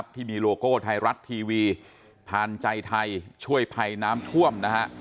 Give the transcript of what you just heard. ที่มีโลโก้ไทยรัฐทีวีผ่านใจไทยช่วยภัยน้ำท่วมนะฮะ